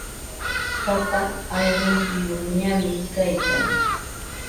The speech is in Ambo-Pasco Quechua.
Papa ayrumpiyuqñami kaykan.